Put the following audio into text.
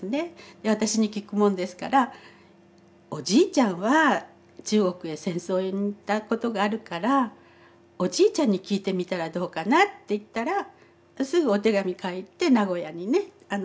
で私に聞くもんですからおじいちゃんは中国へ戦争に行ったことがあるからおじいちゃんに聞いてみたらどうかなって言ったらすぐお手紙書いて名古屋にね。